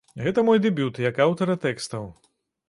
Гэта мой дэбют як аўтара тэкстаў.